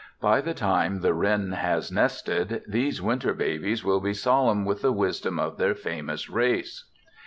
By the time the wren has nested these winter babies will be solemn with the wisdom of their famous race.